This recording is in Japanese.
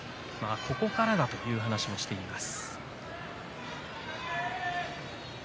ここからだという話もしています。